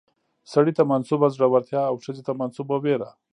سړي ته منسوبه زړورتيا او ښځې ته منسوبه ويره